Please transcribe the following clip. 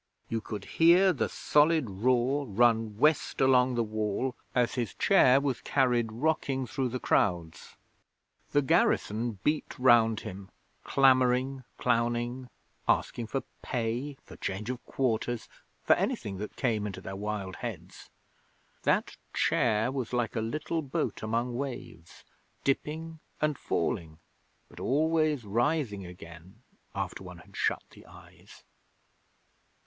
You could hear the solid roar run West along the Wall as his chair was carried rocking through the crowds. The garrison beat round him clamouring, clowning, asking for pay, for change of quarters, for anything that came into their wild heads. That chair was like a little boat among waves, dipping and falling, but always rising again after one had shut the eyes.'